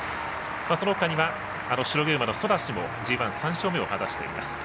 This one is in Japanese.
そのほか、白毛馬のソダシもＧＩ、３勝目を果たしています。